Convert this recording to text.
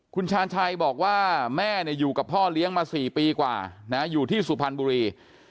คุณชาญชัยบอกว่าแม่อยู่กับพ่อเลี้ยงมา๔ปีกว่าอยู่ที่สุพรรณบุรี